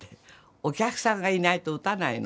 お客さんがいないと打たないの。